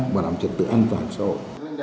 và đảm trật tự an toàn xã hội